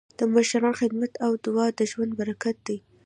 د مشرانو خدمت او دعا د ژوند برکت دی.